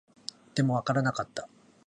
でも、わからなかった